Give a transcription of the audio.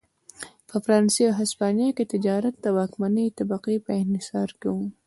په فرانسې او هسپانیا کې تجارت د واکمنې طبقې په انحصار کې و.